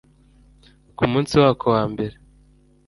ku munsi wako wa mbere